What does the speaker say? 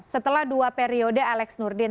setelah dua periode alex nurdin